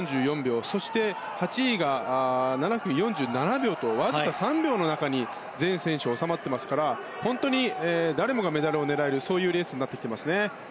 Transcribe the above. そして８位が７分４７秒とわずか３秒の中に全選手が収まっていますから本当に誰もがメダルを狙えるそういうレースになってきてますね。